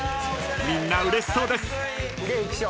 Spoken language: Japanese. みんなうれしそうです！］で浮所。